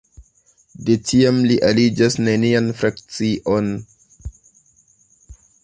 De tiam li aliĝas nenian frakcion.